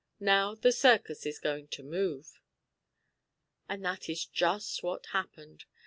Now the circus is going to move." And that is just what happened.